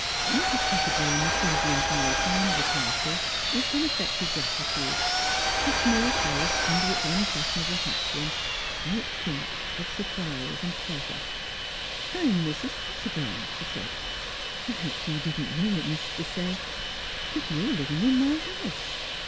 Mrs. Pettibone received the information and the parcel with unaffected gratitude, her small face under its unfashionable hat brim quite pink with surprise and pleasure. " I am Mrs. Pettibone," she said. " Perhaps you didn't know it, Miss Desaye; but you are liv ing in my house.